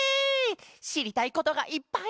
しりたいことがいっぱい！